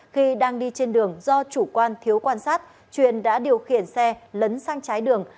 khi đang đi trên đường do chủ quan thiếu quan sát truyền đã điều khiển xe lấn sang trái đường